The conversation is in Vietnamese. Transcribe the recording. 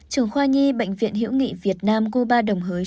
trường khoa nhi bệnh viện hiễu nghị việt nam cuba đồng hới